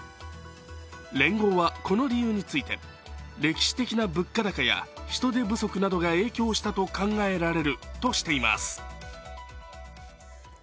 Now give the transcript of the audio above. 連合は、この理由について歴史的な物価高や人手不足などが影響したと考えられるとしています。